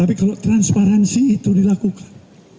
tapi kalau transparansi itu dilakukan